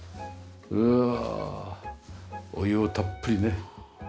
お湯をたっぷりね。